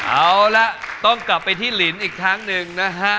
เอาละต้องกลับไปที่ลินอีกครั้งหนึ่งนะฮะ